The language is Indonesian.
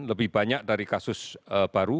lebih banyak dari kasus baru